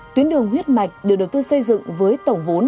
tuyến đường huyết mạch được đầu tư xây dựng với tổng vốn